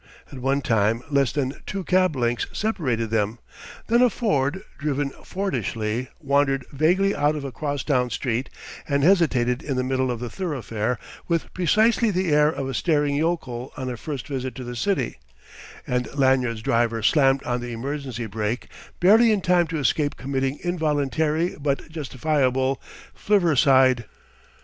At one time less than two cab lengths separated them; then a Ford, driven Fordishly, wandered vaguely out of a crosstown street and hesitated in the middle of the thoroughfare with precisely the air of a staring yokel on a first visit to the city; and Lanyard's driver slammed on the emergency brake barely in time to escape committing involuntary but justifiable flivvercide.